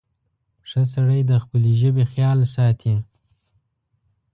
• ښه سړی د خپلې ژبې خیال ساتي.